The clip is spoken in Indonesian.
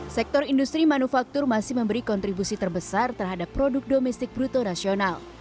sektor industri manufaktur masih memberi kontribusi terbesar terhadap produk domestik bruto nasional